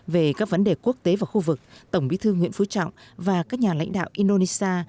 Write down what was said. về các vấn đề quốc tế và khu vực tổng bí thư nguyễn phú trọng và các nhà lãnh đạo indonesia